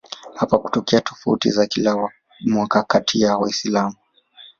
Hapa hutokea tofauti za kila mwaka kati ya Waislamu.